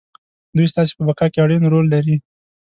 دوی ستاسې په بقا کې اړين رول لري.